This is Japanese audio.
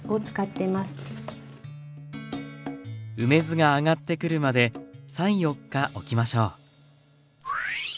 梅酢が上がってくるまで３４日おきましょう。